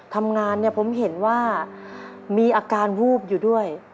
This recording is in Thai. ทำงานเนี่ยผมเห็นว่ามีอาการวูบอยู่ด้วย